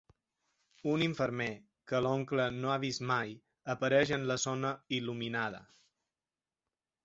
Un infermer que l'oncle no ha vist mai apareix en la zona il·luminada.